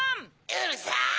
・うるさい！